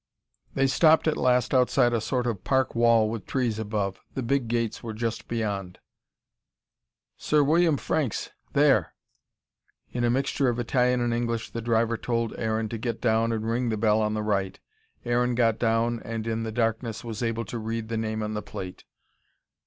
They stopped at last outside a sort of park wall with trees above. The big gates were just beyond. "Sir William Franks there." In a mixture of Italian and English the driver told Aaron to get down and ring the bell on the right. Aaron got down and in the darkness was able to read the name on the plate.